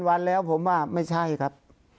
วันแล้วผมว่าไม่ใช่ครับ